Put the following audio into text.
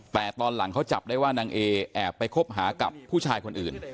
แต่ตอนหลังเขาจับได้ว่านางเอแอบไปคบหากับผู้ชายคนอื่น